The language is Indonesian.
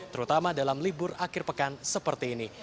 terutama dalam libur akhir pekan seperti ini